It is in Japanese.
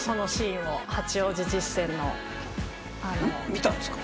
見たんですか？